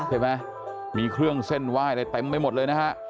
เห็นไหมมีเครื่องเส้นไหว้อะไรเต็มไปหมดเลยนะฮะ